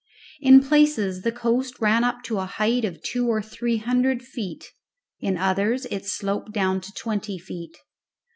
In places the coast ran up to a height of two or three hundred feet, in others it sloped down to twenty feet.